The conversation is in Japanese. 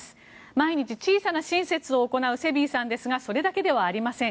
毎日小さな親切を行うセビーさんですがそれだけではありません。